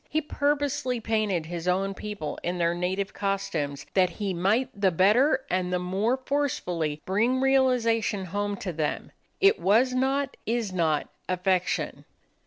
He purposely painted his own people in their native costumes, that he might the better and the more forcefully bring realization home to them. It was not, is not, affectation.